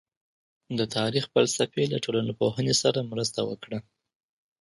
د تاريخ فلسفې له ټولنپوهنې سره مرسته وکړه.